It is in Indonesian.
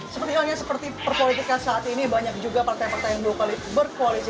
seperti halnya seperti perpolitika saat ini banyak juga partai partai yang berkoalisi